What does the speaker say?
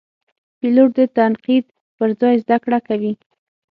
پیلوټ د تنقید پر ځای زده کړه کوي.